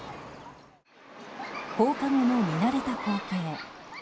放課後の見慣れた光景。